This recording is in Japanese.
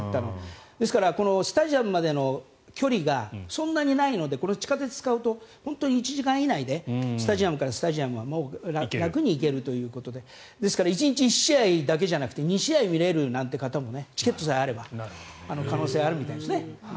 ですからスタジアムまでの距離がそんなにないのでこの地下鉄を使うと本当に１時間以内でスタジアムからスタジアムは楽に行けるということでですから１日１試合だけじゃなくて２試合見れるなんて方もチケットさえあれば可能性があるみたいですね。